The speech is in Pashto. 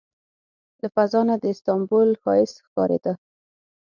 له فضا نه د استانبول ښایست ښکارېده.